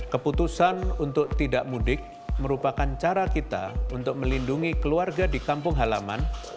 keputusan untuk tidak mudik merupakan cara kita untuk melindungi keluarga di kampung halaman